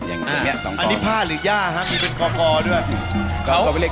อันนี้ผ้าหรือหญ้าฮะมีเป็นคอด้วย